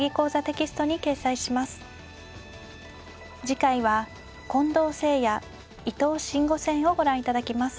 次回は近藤誠也伊藤真吾戦をご覧いただきます。